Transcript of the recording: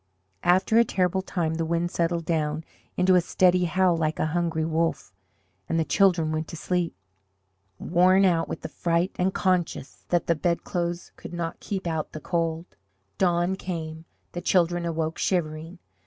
After a terrible time the wind settled down into a steady howl like a hungry wolf, and the children went to sleep, worn out with fright and conscious that the bedclothes could not keep out the cold. Dawn came. The children awoke, shivering.